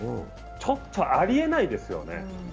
ちょっとありえないですよね。